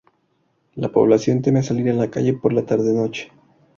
La población teme salir a la calle por la tarde noche.